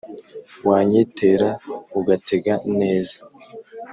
Wanyitera ugatega neza,